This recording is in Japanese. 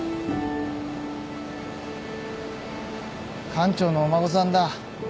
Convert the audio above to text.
館長のお孫さんだ。